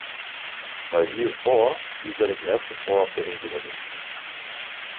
Bei Vieux-Fort ließ er das erste Fort auf der Insel errichten.